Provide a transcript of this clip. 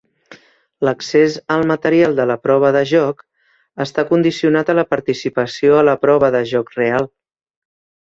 L'accés al material de la prova de joc està condicionat a la participació a la prova de joc real.